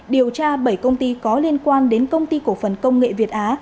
điều tra bảy công ty có liên quan đến công ty cổ phần công nghệ việt á